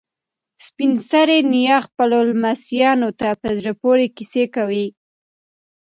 سپین سرې نیا خپلو لمسیانو ته په زړه پورې کیسې کوي.